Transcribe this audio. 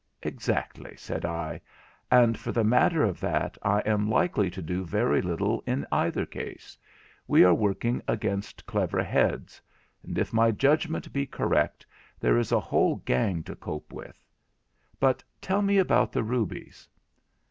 'Exactly,' said I, 'and for the matter of that I am likely to do very little in either case; we are working against clever heads; and if my judgment be correct, there is a whole gang to cope with. But tell me about the rubies.'